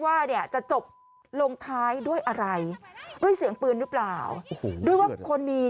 ว่าเนี่ยจะจบลงท้ายด้วยอะไรด้วยเสียงปืนหรือเปล่าโอ้โหด้วยว่าคนมี